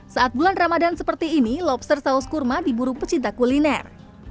saat bulan ramadan seperti ini lobster saus kurma diburu pecinta kuliner